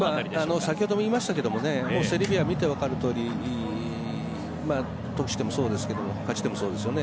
先ほども言いましたけどセルビア見て分かるとおり得失点もそうですが勝ち点もそうですよね。